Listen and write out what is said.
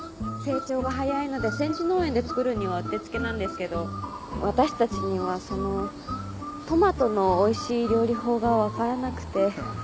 成長が早いので戦時農園で作るにはうってつけなんですけど私たちにはそのトマトのおいしい料理法が分からなくて。